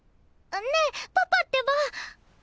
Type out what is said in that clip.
ねえパパってば！